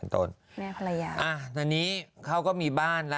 ตอนนี้เขาก็มีบ้าน